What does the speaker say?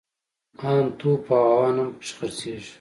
ان توپ او هاوان هم پکښې خرڅېږي.